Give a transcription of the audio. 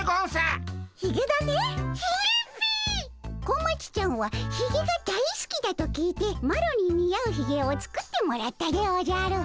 小町ちゃんはひげが大すきだと聞いてマロに似合うひげを作ってもらったでおじゃる。